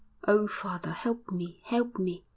'Oh, father, help me! help me!'